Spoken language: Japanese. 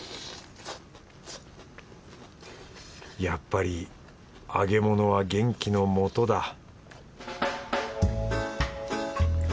やっぱり揚げ物は元気の素だ